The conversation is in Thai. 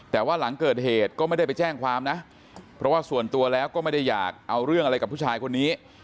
แต่ว่าหลังเกิดเหตุก็ไม่ได้ไปแจ้งความนะเพราะว่าส่วนตัวแล้วก็ไม่ได้อยากเอาเรื่องอะไรกับผู้ชายคนนี้